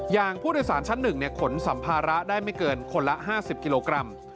อย่างผู้โดยสารชั้น๑ขนสัมภาระได้ไม่เกินคนละ๕๐กิโลกรัม